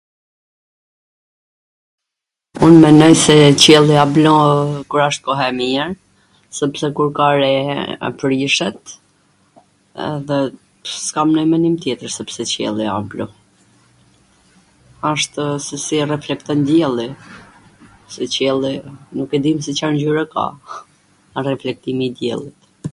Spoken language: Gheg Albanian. Un menoj se qielli a blu kur asht koha e mir, sepse kur ka re prishet, edhe s kam nonj menim tjetwr sepse gjithn qielli a blu. ashtw se si e reflekton dielli, se qielli nuk e dim se Car ngjyre ka, reflektimi i diellit.